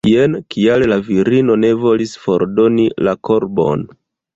Jen kial la virino ne volis fordoni la korbon!